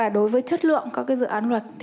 đối với chất lượng các dự án luật